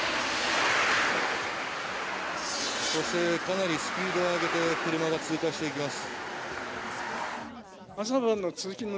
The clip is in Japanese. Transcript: そしてかなりスピードを上げて車が通過していきます。